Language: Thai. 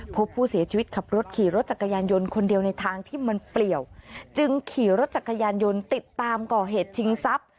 พบผู้เสียชีวิตขับรถขี่รถจักรยานยนต์คนเดียวในทางที่มันเปลี่ยวจึงขี่รถจักรยานยนต์ติดตามก่อเหตุชิงทรัพย์